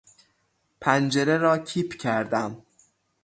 پنجره را کیپ کردم.